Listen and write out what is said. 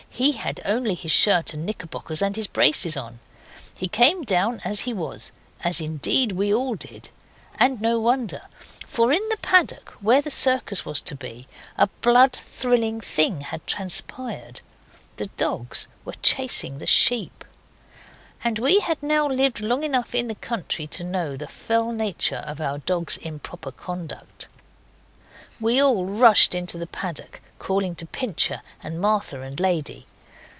He had only his shirt and knickerbockers and his braces on. He came down as he was as indeed we all did. And no wonder, for in the paddock, where the circus was to be, a blood thrilling thing had transpired. The dogs were chasing the sheep. And we had now lived long enough in the country to know the fell nature of our dogs' improper conduct. We all rushed into the paddock, calling to Pincher, and Martha, and Lady.